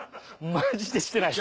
マジでしてないです！